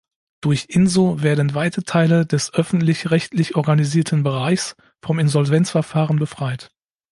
Durch InsO werden weite Teile des öffentlich-rechtlich organisierten Bereichs vom Insolvenzverfahren befreit.